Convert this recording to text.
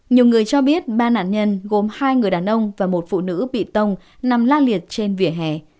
nhiều người cho biết ba nạn nhân gồm hai người đàn ông và một phụ nữ bị tông nằm la liệt trên vỉa hè